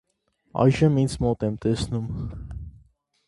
այժմ ինձ մոտ եմ տեսնում: